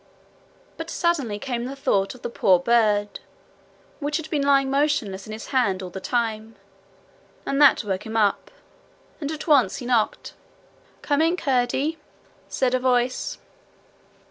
But suddenly came the thought of the poor bird, which had been lying motionless in his hand all the time, and that woke him up, and at once he knocked. 'Come in, Curdie,' said a voice.